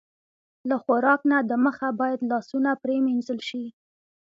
له خوراک نه د مخه باید لاسونه پرېمنځل شي.